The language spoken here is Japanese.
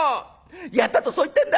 やったとそう言ってんだ！」。